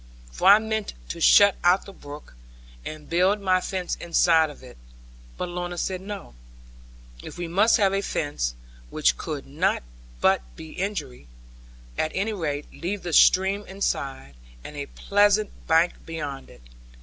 For I meant to shut out the brook, and build my fence inside of it; but Lorna said no; if we must have a fence, which could not but be injury, at any rate leave the stream inside, and a pleasant bank beyond it.